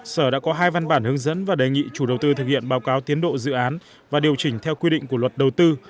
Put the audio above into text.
sở đã có hai văn bản hướng dẫn và đề nghị chủ đầu tư thực hiện báo cáo tiến độ dự án và điều chỉnh theo quy định của luật đầu tư